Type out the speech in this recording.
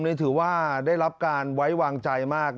นี่ถือว่าได้รับการไว้วางใจมาก